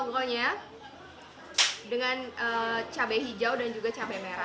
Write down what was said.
dendeng batokonya dengan cabai hijau dan juga cabai merah